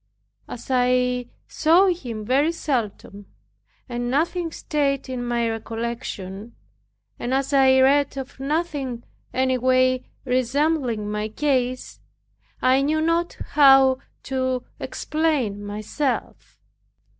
As I saw him very seldom, and nothing stayed in my recollection, and as I read of nothing any way resembling my case, I knew not how to explain myself.